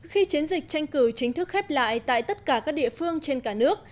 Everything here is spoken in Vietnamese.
khi chiến dịch tranh cử chính thức khép lại tại tất cả các địa phương trên cả nước